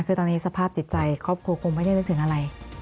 คือตอนนี้สภาพจิตใจครอบครัวคงไม่ได้นึกถึงอะไร